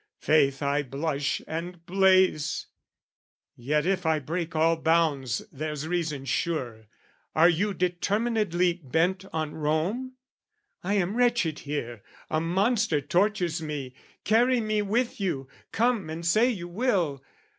'Faith, I blush and blaze! "Yet if I break all bounds, there's reason sure, "Are you determinedly bent on Rome? "I am wretched here, a monster tortures me: "Carry me with you! Come and say you will!